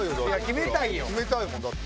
決めたいもんだって。